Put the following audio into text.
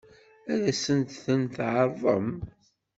Ad sent-ten-tɛeṛḍem?